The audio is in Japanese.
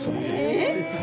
えっ！？